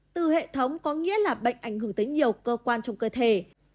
từ hệ thống có nghĩa là bệnh ảnh hưởng tới nhiều cơ quan trong cơ thể